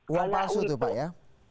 uang palsu itu pak ya